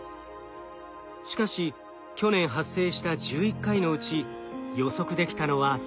しかし去年発生した１１回のうち予測できたのは３回。